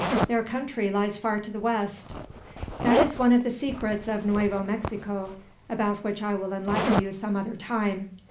Their country lies far to the west." "That is one of the secrets of Nuevo Mexico, about which I will enlighten you some other time.